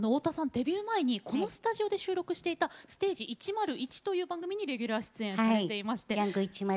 デビュー前このスタジオで収録していた「ステージ１０１」という番組にレギュラー出演されていました。